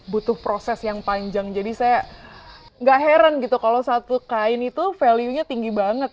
butuh proses yang panjang jadi saya gak heran gitu kalau satu kain itu value nya tinggi banget